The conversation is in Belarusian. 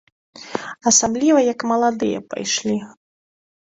Асабліва як маладыя пайшлі.